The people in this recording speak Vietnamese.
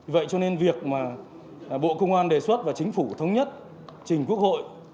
vậy cho nên việc mà bộ công an đề xuất và chính phủ thống nhất trình quốc hội